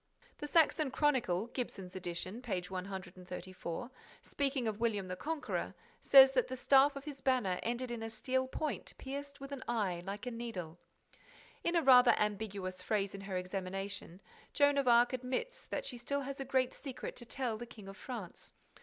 The Saxon Chronicle (Gibson's edition, page 134), speaking of William the Conqueror, says that the staff of his banner ended in a steel point pierced with an eye, like a needle. In a rather ambiguous phrase in her examination, Joan of Arc admits that she has still a great secret to tell the King of France.